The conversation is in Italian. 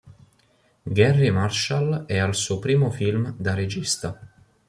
Garry Marshall è al suo primo film da regista.